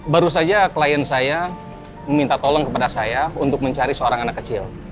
baru saja klien saya meminta tolong kepada saya untuk mencari seorang anak kecil